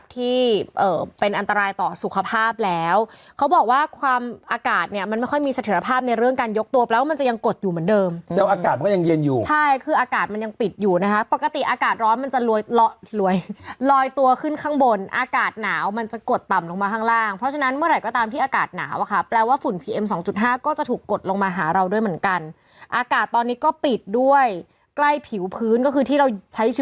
ที่เอ่อเป็นอันตรายต่อสุขภาพแล้วเขาบอกว่าความอากาศเนี้ยมันไม่ค่อยมีเสถียรภาพในเรื่องการยกตัวแปลว่ามันจะยังกดอยู่เหมือนเดิมแล้วอากาศก็ยังเย็นอยู่ใช่คืออากาศมันยังปิดอยู่นะคะปกติอากาศร้อนมันจะลวยละลวยลอยตัวขึ้นข้างบนอากาศหนาวมันจะกดต่ำลงมาข้างล่างเพราะฉะนั้นเมื่อไหร